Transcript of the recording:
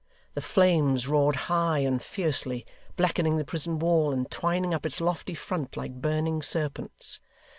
The flames roared high and fiercely, blackening the prison wall, and twining up its loftly front like burning serpents.